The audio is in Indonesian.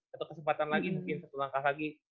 satu kesempatan lagi mungkin satu langkah lagi